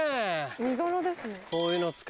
見頃ですね。